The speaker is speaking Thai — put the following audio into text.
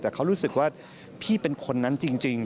แต่เขารู้สึกว่าพี่เป็นคนนั้นจริง